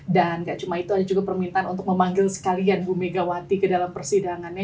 dan nggak cuma itu ada juga permintaan untuk memanggil sekalian bu megawati ke dalam persidangannya